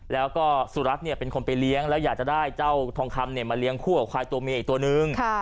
แล้วก็สุรัตน์เป็นคนไปเลี้ยงแล้วอยากจะได้เจ้าทองคำมาเลี้ยงคู่กับควายตัวเมียอีกตัวนึง